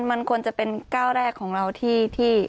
มันควรจะเป็นก้าวแรกของเราที่